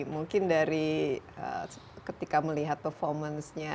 mungkin dari ketika melihat performance nya